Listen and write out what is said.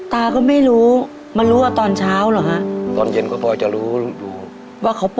ตาก็ไม่รู้มารู้ว่าตอนเช้าเหรอฮะตอนเย็นก็พอจะรู้อยู่ว่าเขาไป